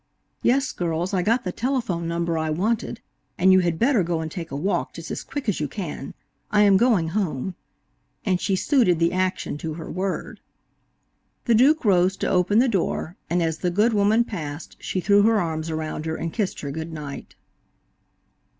"Yes, girls, I got the telephone number I wanted, and you had better go and take a walk just as quick as you can. I am going home," and she suited the action to the word. The Duke rose to open the door, and as the good woman passed she threw her arms around her and kissed her good night.